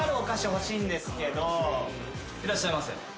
いらっしゃいませ。